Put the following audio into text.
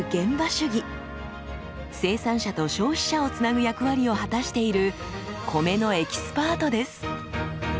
生産者と消費者をつなぐ役割を果たしている米のエキスパートです。